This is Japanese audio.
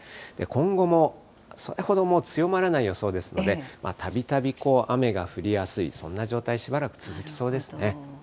今後もそれほど強まらない予想ですので、たびたび雨が降りやすい、そんな状態、しばらく続きそうですね。